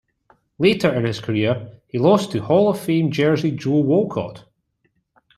Later in his career, he lost to Hall of Famer Jersey Joe Walcott.